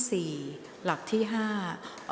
ออกรางวัลเลขหน้า๓ตัวครั้งที่๒